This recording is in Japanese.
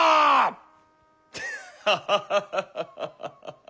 アハハハハ！